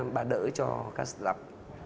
bà đỡ cho các startup